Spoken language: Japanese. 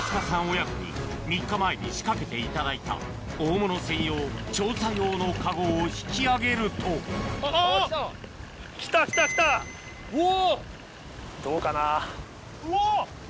親子に３日前に仕掛けていただいた大物専用調査用のカゴを引き上げるとどうかな？